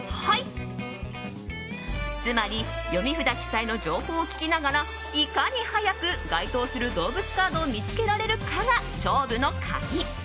つまり、読み札記載の情報を聞きながらいかに早く該当する動物カードを見つけられるかが勝負の鍵。